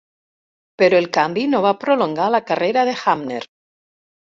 Però el canvi no va prolongar la carrera de Hamner.